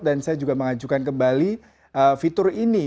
dan saya juga mengajukan kembali fitur ini